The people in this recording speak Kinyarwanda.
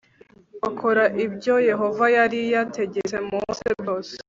bakora ibyoyehova yari yategetse mose byose